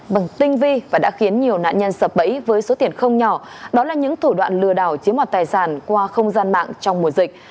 bằng tinh vi và đã khiến nhiều nạn nhân sập bẫy với số tiền không nhỏ đó là những thủ đoạn lừa đảo chiếm hoạt tài sản qua không gian mạng trong mùa dịch